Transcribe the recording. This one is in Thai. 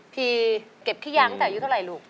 พี่เก็บขี้ยางตั้งแต่อายุเท่าไหร่ลูก